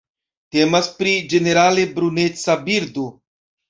Temas pri ĝenerale bruneca birdo.